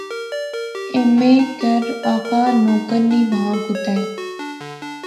ایم اے کیر آ فہ نوکر نی وہا کوتے